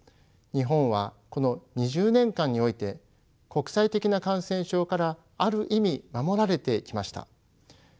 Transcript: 日本はこの２０年間において国際的な感染症からある意味守られてきました。